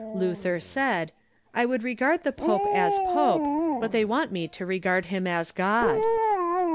Luther said: "I would regard the pope as pope, but they want me to regard him as God."